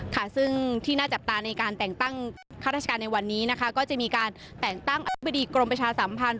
ค่ะซึ่งที่น่าจับตาในการแต่งตั้งข้าราชการในวันนี้นะคะก็จะมีการแต่งตั้งอธิบดีกรมประชาสัมพันธ์